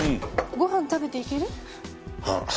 ご飯食べていける？ああ。